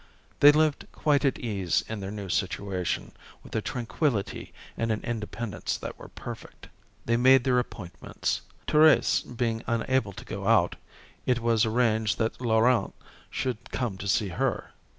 They lived quite at ease in their new situation, with a tranquillity and an independence that were perfect. They made their appointments. Thérèse being unable to go out, it was arranged that Laurent should come to see her.